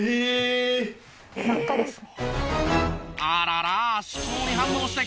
あらら。